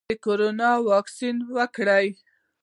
د کرونا واکسین وکړم؟